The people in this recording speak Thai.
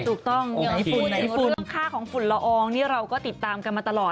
ถูกต้องอย่างเรื่องค่าของฝุ่นละอองนี่เราก็ติดตามกันมาตลอด